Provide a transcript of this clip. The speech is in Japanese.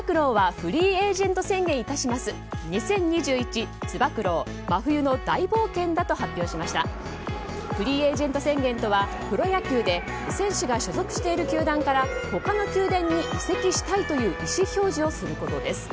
ＦＡ宣言とはプロ野球で選手が所属している球団から他の球団に移籍したいという意思表示をすることです。